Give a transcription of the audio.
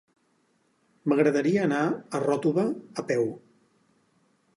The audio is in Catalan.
M'agradaria anar a Ròtova a peu.